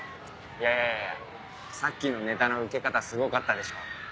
いやいやさっきのネタのウケ方すごかったでしょ？